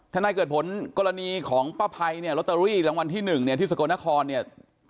นายเกิดผลกรณีของป้าภัยเนี่ยลอตเตอรี่รางวัลที่๑เนี่ยที่สกลนครเนี่ย